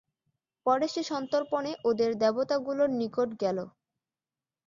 পরে সে সন্তর্পণে ওদের দেবতাগুলোর নিকট গেল।